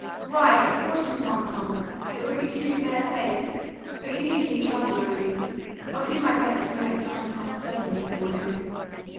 Why, of course you can't come! It would be too barefaced. But you needn't be troubled, Irene; I'll do my best to make the time pass pleasantly for him."